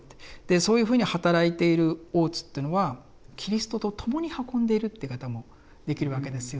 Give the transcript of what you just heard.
そういうふうに働いている大津というのはキリストと共に運んでいるって言い方もできるわけですよね。